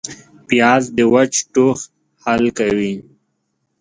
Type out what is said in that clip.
پیاز د وچ ټوخ حل کوي